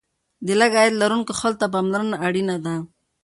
د لږ عاید لرونکو خلکو ته پاملرنه اړینه ده.